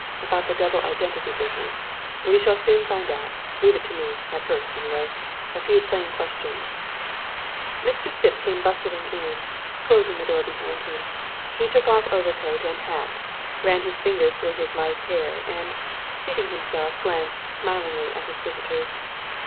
about the double identity business. We shall soon find out leave it to me at first, anyway. A few plain questions " Mr. Stipp came bustling in, closing the door behind him. He took off overcoat and hat, ran his fingers through his light hair, and, seating himself, glanced smilingly at his visitors.